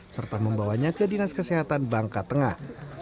serta membawanya ke dinas kesehatan bangka tengah